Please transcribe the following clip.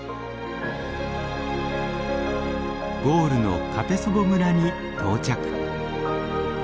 ゴールのカペソヴォ村に到着。